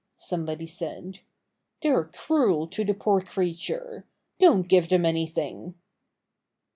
somebody said. "They're cruel to the poor creature! Don't give them anything!"